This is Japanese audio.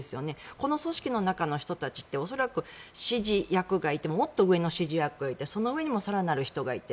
この組織の中の人たちって恐らく指示役がいてもっと上の指示役がいてその上にも更なる人がいて。